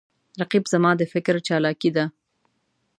رقیب زما د فکر چالاکي ده